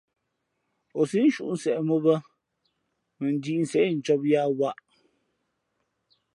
Ǒ sǐʼ nshuʼ nseʼ mǒ bᾱ, mα njīīnseʼ incōb yāā waʼ.